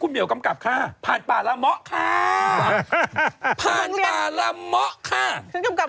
แล้วว่าโอ๊ะชะนีดึงสุดฤทธิ์มากมากมาก